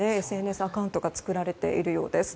ＳＮＳアカウントが作られているようです。